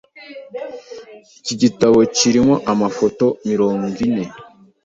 Iki gitabo kirimo amafoto mirongo ine.